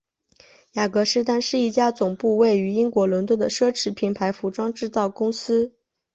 雅格狮丹是一家总部位于英国伦敦的奢侈品牌服装制造公司。